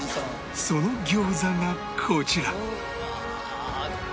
その餃子がこちら